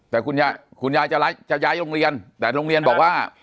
แต่คุณยายจะย้ายโรงเรียนแต่โรงเรียนบอกว่า